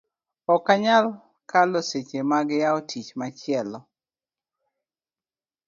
ok anyal kalo seche mag yawo tich machielo